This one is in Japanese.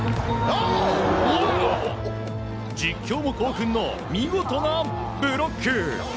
実況も興奮の見事なブロック！